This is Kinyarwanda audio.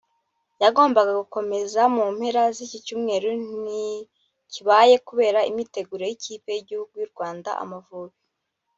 yagombaga gukomeza mu mpera z’icyi cyumweru ntikibaye kubera imyiteguro y’ikipe y’igihugu y’u Rwanda Amavubi